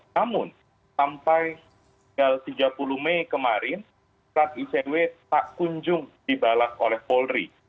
namun sampai tiga puluh mei kemarin surat icw tak kunjung dibalas oleh polri